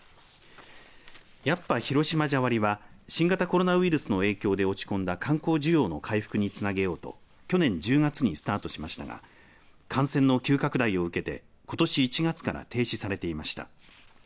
やっぱ広島じゃ割は新型コロナウイルスの影響で落ち込んだ観光需要の回復につなげようと去年１０月にスタートしましたが感染の急拡大を受けてことし１月から停止されていました。